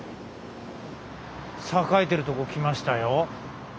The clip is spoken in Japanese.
栄えている所来ましたよ。